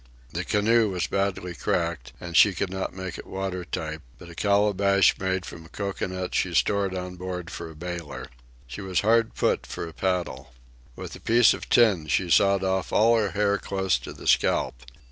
The canoe was badly cracked, and she could not make it water tight; but a calabash made from a cocoanut she stored on board for a bailer. She was hard put for a paddle. With a piece of tin she sawed off all her hair close to the scalp.